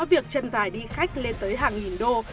việc chân dài đi khách lên tới hàng nghìn đô